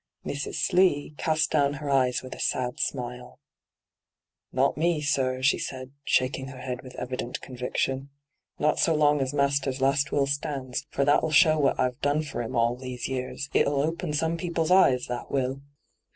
Mrs. Slee oast down her eyes with a sad smile. ' Not me, sir,' she said, shaking her head with evident conviction. ' Not so long as master's last will stands : for that'll show what I've done for 'im all these years. It'll open D,gt,, 6rtbyGOOglC 48 ENTRAPPED some people's eyes, that will